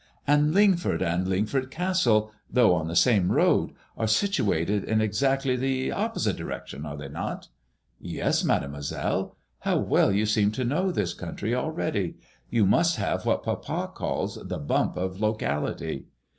''And Lingford and Lingford Castle, though on the same road, are situated in exactly the oppo* site direction, are they not ?"'' Yes, Mademoiselle. How well you seem to know this country already I You must have what papa calls the bump of locality."